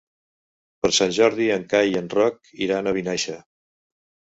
Per Sant Jordi en Cai i en Roc iran a Vinaixa.